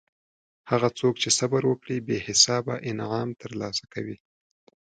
هغه څوک چې صبر وکړي بې حسابه انعام ترلاسه کوي.